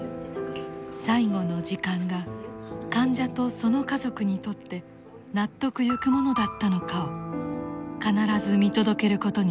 最期の時間が患者とその家族にとって納得ゆくものだったのかを必ず見届けることにしています。